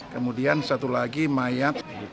kemudian satu lagi mayat